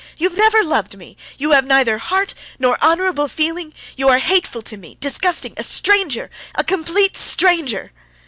You have never loved me; you have neither heart nor honorable feeling! You are hateful to me, disgusting, a stranger—yes, a complete stranger!"